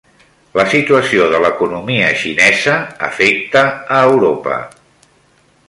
La situació de l'economia xinesa afecta a Europa.